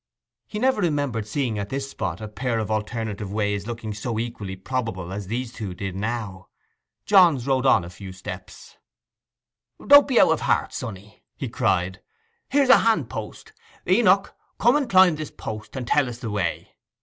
He never remembered seeing at this spot a pair of alternative ways looking so equally probable as these two did now. Johns rode on a few steps. 'Don't be out of heart, sonny,' he cried. 'Here's a handpost. Enoch—come and climm this post, and tell us the way.